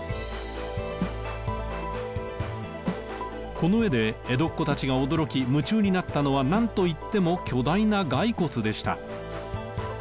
この絵で江戸っ子たちが驚き夢中になったのはなんといっても巨大な骸骨でした。